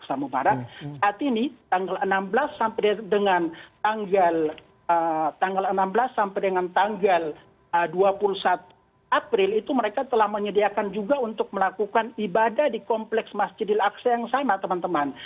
dua puluh satu april itu mereka telah menyediakan juga untuk melakukan ibadah di kompleks mas jedil aksel yang sama teman teman